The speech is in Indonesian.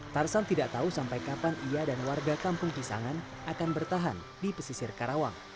tarsan tidak tahu sampai kapan ia dan warga kampung kisangan akan bertahan di pesisir karawang